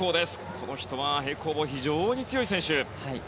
この人は平行棒に非常に強い選手。